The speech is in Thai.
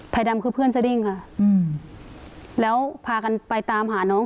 ดำคือเพื่อนสดิ้งค่ะอืมแล้วพากันไปตามหาน้อง